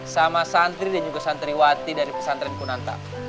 sama sandri dan juga sandri wati dari pesantren punantang